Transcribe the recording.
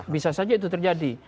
bisa saja itu terjadi